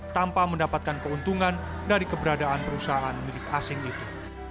tanpa mendapatkan keuntungan dari keberadaan perusahaan milik asing itu